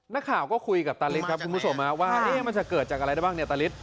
นักข่าวก็คุยกับตาริสว่ามันจะเกิดจากอะไรแบบนี้